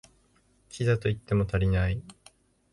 キザと言っても足りない